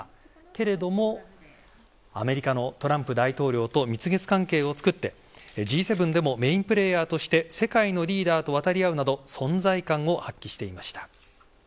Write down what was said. けれどもアメリカのトランプ大統領と蜜月関係を作って、Ｇ７でもメインプレーヤーとして世界のリーダーと渡り合うなど存在感を発揮していました。